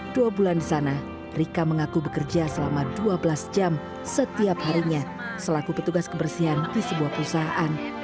dua bulan di sana rika mengaku bekerja selama dua belas jam setiap harinya selaku petugas kebersihan di sebuah perusahaan